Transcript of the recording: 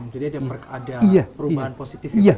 jadi ada perubahan positif juga ya